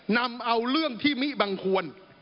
นำเอาเรื่องที่มิบังควร